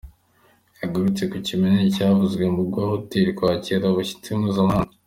yagarutse ku kimenyane cyavuzwe mu guha. hoteli kwakira abashyitsi mpuzamahanga.